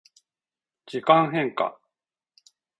時間変化